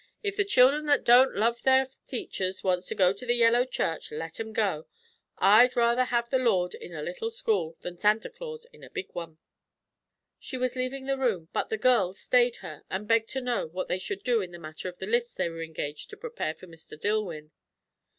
If the chil'en that don't love their teachers wants to go to the yellow church, let 'em go. I'd rather have the Lord in a little school, than Santa Claus in a big one." She was leaving the room, but the girls stayed her and begged to know what they should do in the matter of the lists they were engaged to prepare for Mr. Dillwyn.